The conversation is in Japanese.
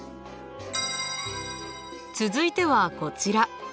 続いてはこちら。